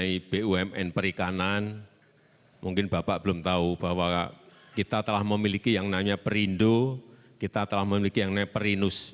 dari bumn perikanan mungkin bapak belum tahu bahwa kita telah memiliki yang namanya perindo kita telah memiliki yang namanya perinus